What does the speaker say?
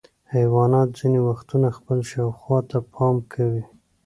حیوانات ځینې وختونه خپل شاوخوا ته پام کوي.